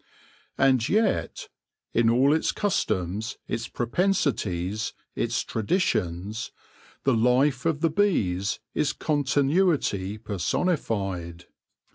And yet, in all its customs, its propensities, its tradi tions, the life of the bees is Continuity personified.